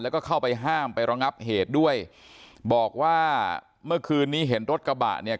แล้วก็เข้าไปห้ามไประงับเหตุด้วยบอกว่าเมื่อคืนนี้เห็นรถกระบะเนี่ย